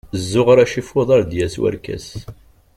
Zzuɣer acifuḍ, ar d-yas-warkas.